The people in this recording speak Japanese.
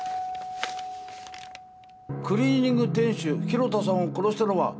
クリーニング店主広田さんを殺したのは私です。